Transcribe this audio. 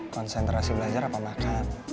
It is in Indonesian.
konsentrasi belajar apa makan